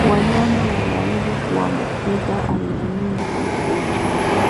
wanyama wanaweza kuambukiza aina nyingi za magonjwa